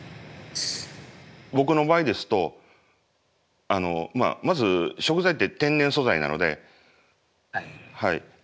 僕の場合ですとまず食材って天然素材なのではい。